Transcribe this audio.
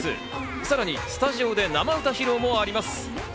さらにスタジオで生歌披露もあります。